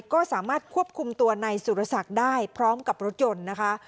ก็สามารถควบคุมตัวนายสุรศักดิ์ได้พร้อมกับรถยนต์นะคะ